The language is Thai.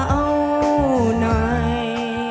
เอาหน่อย